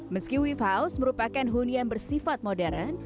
meski weave house merupakan huni yang bersifat modern